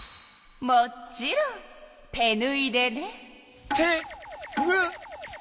もちろん手ぬいでね。